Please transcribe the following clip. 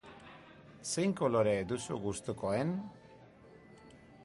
Zein kolore duzu gustukoen?